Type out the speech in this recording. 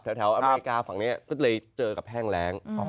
อเมริกาฝั่งนี้ก็เลยเจอกับแห้งแรง